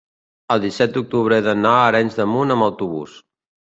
el disset d'octubre he d'anar a Arenys de Munt amb autobús.